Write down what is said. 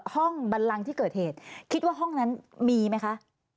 บันลังที่เกิดเหตุคิดว่าห้องนั้นมีไหมคะ